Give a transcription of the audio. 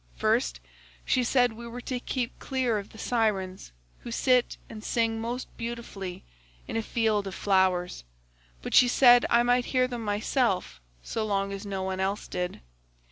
First she said we were to keep clear of the Sirens, who sit and sing most beautifully in a field of flowers; but she said I might hear them myself so long as no one else did.